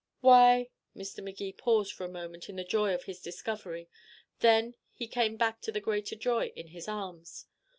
"Why " Mr. Magee paused for a moment in the joy of his discovery. Then he came back to the greater joy in his arms.